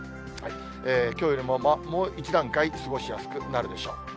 きょうよりももう一段階、過ごしやすくなるでしょう。